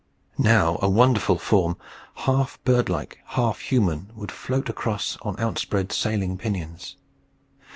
Now a wonderful form, half bird like half human, would float across on outspread sailing pinions.